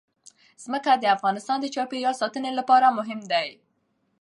ځمکه د افغانستان د چاپیریال ساتنې لپاره مهم دي.